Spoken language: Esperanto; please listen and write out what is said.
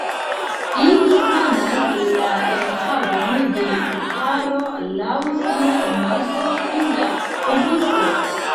Ili planas la enhavon de vortaro laŭ sia imago pri la publiko.